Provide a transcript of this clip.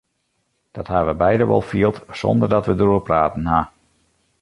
Dat ha we beide wol field sonder dat we dêroer praten ha.